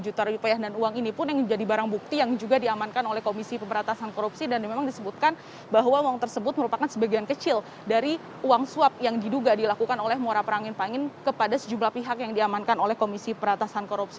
satu juta rupiah dan uang ini pun yang menjadi barang bukti yang juga diamankan oleh komisi pemberantasan korupsi dan memang disebutkan bahwa uang tersebut merupakan sebagian kecil dari uang suap yang diduga dilakukan oleh muara perangin angin kepada sejumlah pihak yang diamankan oleh komisi peratasan korupsi